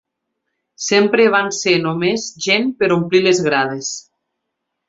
Sempre van ser només gent per omplir les grades.